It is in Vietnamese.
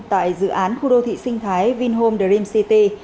tại dự án khu đô thị sinh thái vinhom dream city